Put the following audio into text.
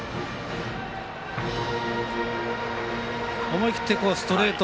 思い切ってストレート。